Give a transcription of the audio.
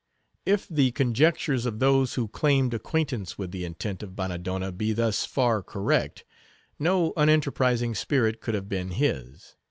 If the conjectures of those who claimed acquaintance with the intent of Bannadonna be thus far correct, no unenterprising spirit could have been his.